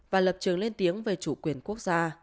và lập trường lên tiếng về chủ quyền quốc gia